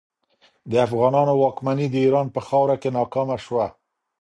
د افغانانو واکمني د ایران په خاوره کې ناکامه شوه.